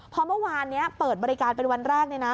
พอเมื่อวานนี้เปิดบริการเป็นวันแรกเลยนะ